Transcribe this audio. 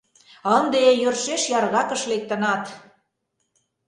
Ынде йӧршеш яргакыш лектынат!